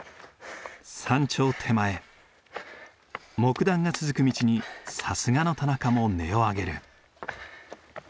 山頂手前木段が続く道にさすがの田中も音を上げる。